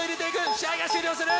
試合が終了する！